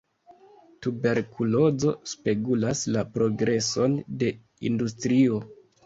Tuberkulozo spegulas la progreson de industrio.